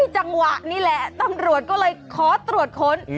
จังหวะนี่แหละตำรวจก็เลยขอตรวจค้น